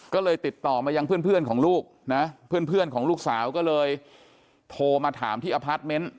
ก็เลยติดต่อมายังเพื่อนของลูกนะเพื่อนของลูกสาวก็เลยโทรมาถามที่อพาร์ทเมนต์